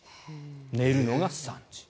寝るのが３時。